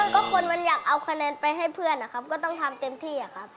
ก็คนมันอยากเอาคะแนนไปให้เพื่อนนะครับก็ต้องทำเต็มที่ครับ